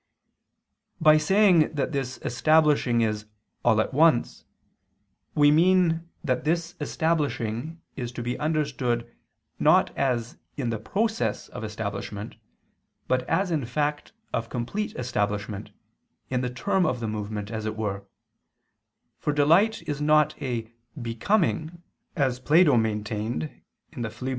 By saying that this establishing is "all at once," we mean that this establishing is to be understood not as in the process of establishment, but as in the fact of complete establishment, in the term of the movement, as it were: for delight is not a "becoming" as Plato [*Phileb.